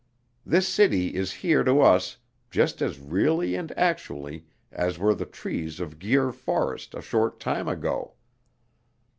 This city is here to us just as really and actually as were the trees of Guir forest a short time ago.